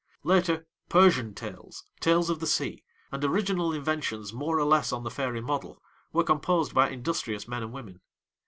Later, Persian Tales, Tales of the Sea, and original inventions, more or less on the fairy model, were composed by industrious men and women.